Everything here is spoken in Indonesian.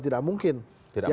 tidak untuk kemungkinan ya